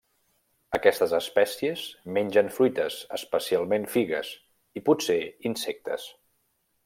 Aquestes espècies mengen fruites, especialment figues, i potser insectes.